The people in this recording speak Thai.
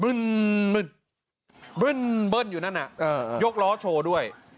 เบิ้ลเบิ้ลเบิ้ลเบิ้ลอยู่นั่นอะยกล้อโชว์ด้วย